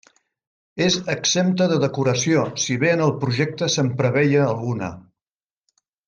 És exempta de decoració, si bé en el projecte se'n preveia alguna.